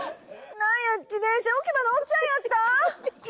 なんや自転車置き場のおっちゃんやったん？